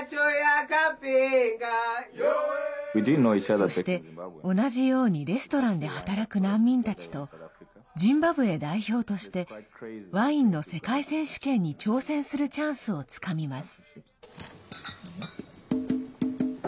そして、同じようにレストランで働く難民たちとジンバブエ代表としてワインの世界選手権に挑戦するチャンスをつかみます。